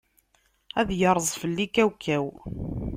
Ad yerẓ fell-i kawkaw.